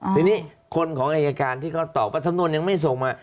ทีนี้คนของอายการที่เขาตอบว่าสำนวนยังไม่ส่งมา